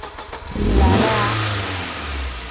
你来了啊